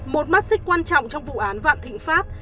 một mắt xích quan trọng trong vụ án vạn thịnh pháp